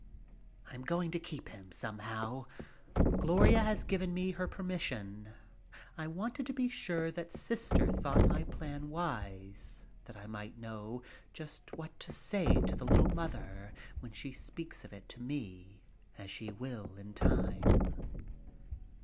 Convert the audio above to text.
"I'm going to keep him, somehow. Gloria has given her permission. I wanted to be sure that Sister thought my plan wise that I might know just what to say to the little mother when she speaks of it to me, as she will in time."